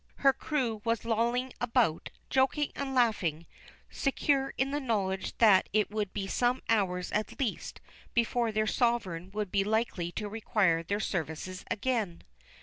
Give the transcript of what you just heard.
Her crew were lolling about, joking and laughing, secure in the knowledge that it would be some hours at least before their sovereign would be likely to require their services again.